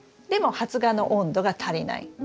でも発芽の温度が足りない。